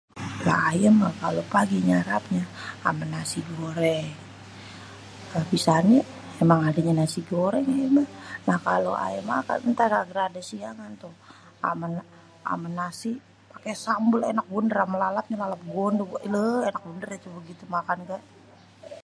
Lah ayê mah kalo pagi nyarapnyê amê nasi goreng. Habisannê, emang adênyê nasi goreng ayê meh. Nah kalo ayê makan èntar rada-radê siangan tuh, amê nasi pake sambel ènak bener amê lalap lalap gondê. Weileêêêh, ènak bener ituh begitu makan geh.